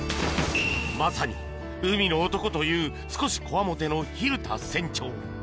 まさに海の男という少しこわもての蛭田船長。